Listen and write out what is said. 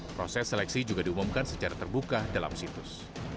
proses seleksi juga diumumkan secara terbuka dalam situs